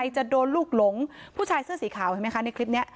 จะโดนลูกหลงผู้ชายเสื้อสีขาวเห็นไหมคะในคลิปนี้